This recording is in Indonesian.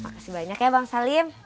makasih banyak ya bang salim